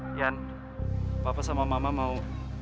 dian papa sama mama mau